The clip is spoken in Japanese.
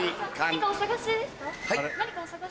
何かお探しですか？